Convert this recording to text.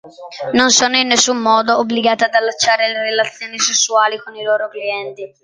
Non sono in nessun modo obbligate ad allacciare relazioni sessuali con i loro clienti.